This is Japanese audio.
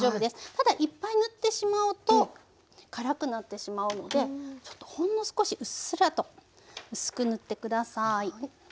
ただいっぱい塗ってしまうと辛くなってしまうのでちょっとほんの少しうっすらと薄く塗って下さい。